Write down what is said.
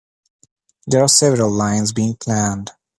There are several lines being planned.